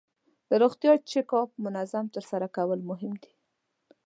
د روغتیا چک اپ منظم ترسره کول مهم دي.